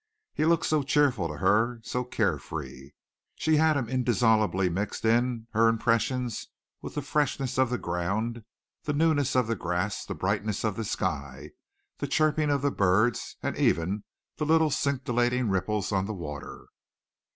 He looked so cheerful to her, so care free. She had him indissolubly mixed in her impressions with the freshness of the ground, the newness of the grass, the brightness of the sky, the chirping of the birds and even the little scintillating ripples on the water.